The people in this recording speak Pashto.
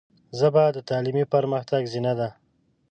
ژبه د تعلیمي پرمختګ زینه ده